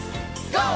ＧＯ！